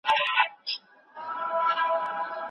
که تاسي په پښتو کي عصري ټیکنالوژي عامه کړئ پښتو به پرمختګ وکړي.